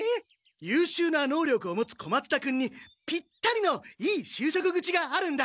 ゆうしゅうな能力を持つ小松田君にぴったりのいいしゅうしょく口があるんだ！